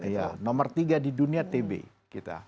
iya nomor tiga di dunia tb kita